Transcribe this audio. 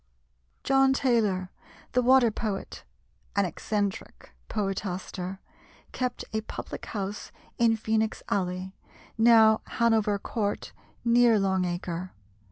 John Taylor, the "Water Poet" an eccentric poetaster, kept a public house in Phœnix Alley, now Hanover Court, near Long Acre.